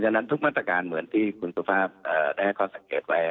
ฉะนั้นทุกมาตรการเหมือนที่คุณสุภาพได้ให้ข้อสังเกตไว้